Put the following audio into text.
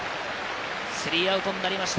３アウトになりました。